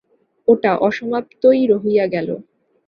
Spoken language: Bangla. ওটা অসমাপ্তই রহিয়া গেল।